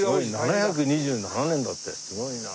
すごいな。